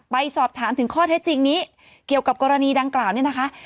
ไปสอบถามถึงข้อเท็จจริงนี้เกี่ยวกับกรณีดังกล่าวเนี่ยนะคะ